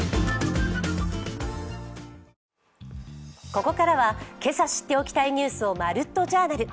ここからは今朝知っておきたいニュースを「まるっと！Ｊｏｕｒｎａｌ」。